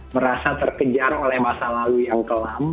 merasa terkejar oleh masa lalu yang kelam